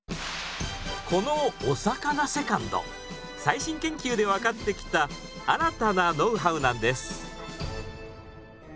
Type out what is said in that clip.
このお魚セカンド最新研究で分かってきた新たなノウハウなんです。